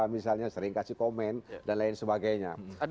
misalnya sering kasih komen dan lain sebagainya